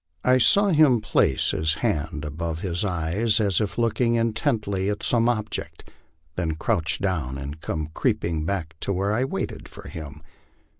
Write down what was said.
I saw him place his hand above his eyes as if looking intently at some object, then crouch down and come creeping back to where I waited for him.